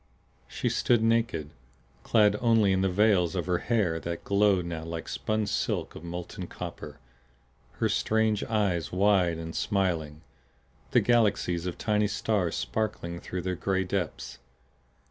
She stood naked, clad only in the veils of her hair that glowed now like spun silk of molten copper, her strange eyes wide and smiling, the galaxies of tiny stars sparkling through their gray depths.